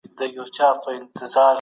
کډوالۍ د افغانانو لپاره ډېري سختي وي.